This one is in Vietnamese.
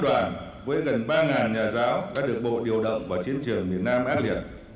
ba mươi một đoàn với gần ba nhà giáo đã được bộ điều động vào chiến trường miền nam ác liệt